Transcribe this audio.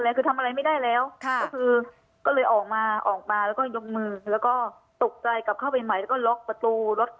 แล้วก็ตกใจกลับเข้าไปใหม่แล้วก็ล็อกประตู